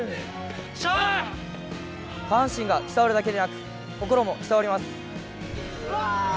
下半身が鍛わるだけでなく心も鍛わります。